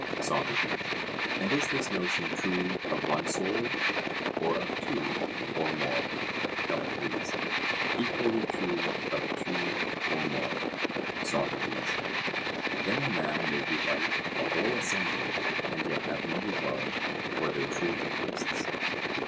SOCRATES: And is this notion true of one soul, or of two or more? CALLICLES: Equally true of two or more. SOCRATES: Then a man may delight a whole assembly, and yet have no regard for their true interests?